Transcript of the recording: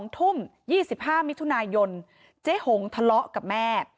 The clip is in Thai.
๒ทุ่ม๒๕มิถุนายนเจ๊หงทะเลาะกับแม่